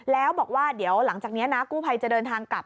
แล้วบอกว่าเดี๋ยวหลังจากนี้นะกู้ภัยจะเดินทางกลับ